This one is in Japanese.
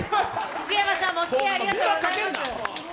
福山さんもお付き合いありがとうございます。